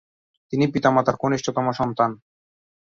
তিনি পিতা-মাতার কনিষ্ঠতম সন্তান।